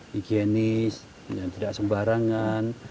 higienis tidak sembarangan